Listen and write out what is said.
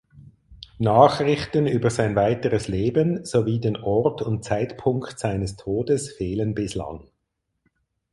Nachrichten über sein weiteres Leben sowie den Ort und Zeitpunkt seines Todes fehlen bislang.